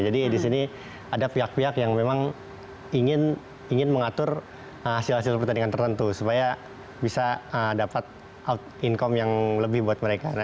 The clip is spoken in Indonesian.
jadi di sini ada pihak pihak yang memang ingin mengatur hasil hasil pertandingan tertentu supaya bisa dapat income yang lebih buat mereka